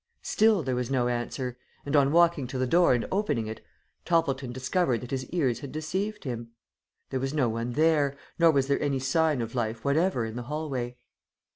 Still there was no answer, and on walking to the door and opening it, Toppleton discovered that his ears had deceived him. There was no one there, nor was there any sign of life whatever in the hallway.